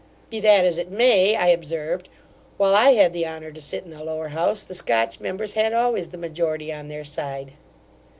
'Be that as it may (I observed) while I had the honour to sit in the lower house, the Scotch members had always the majority on their side.